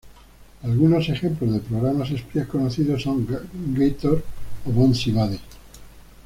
Algunos ejemplos de programas espía conocidos son Gator o Bonzi Buddy.